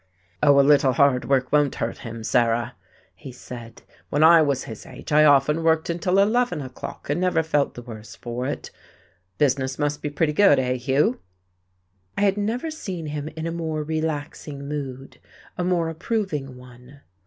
"Oh, a little hard work won't hurt him, Sarah," he said. "When I was his age I often worked until eleven o'clock and never felt the worse for it. Business must be pretty good, eh, Hugh?" I had never seen him in a more relaxing mood, a more approving one.